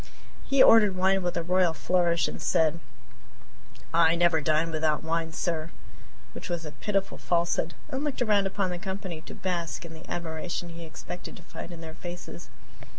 He ordered wine with a royal flourish and said: "I never dine without wine, sir" (which was a pitiful falsehood), and looked around upon the company to bask in the admiration he expected to find in their faces.